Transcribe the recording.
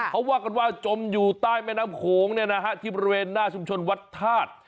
เขาว่ากันว่าจมอยู่ใต้แม่น้ำโขงที่บริเวณหน้าชุมชนวัดธาตุ